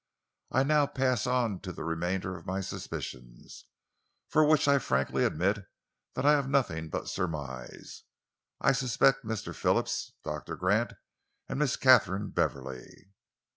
I now pass on to the remainder of my suspicions, for which I frankly admit that I have nothing but surmise. I suspect Mr. Phillips, Doctor Gant and Miss Katharine Beverley."